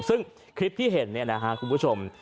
ซึ่งคลิปที่เห็นนะครับคุณผู้ชม